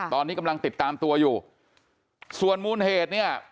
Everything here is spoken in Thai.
ตอนนี้กำลังติดตามตัวอยู่ส่วนมูลเหตุเนี่ย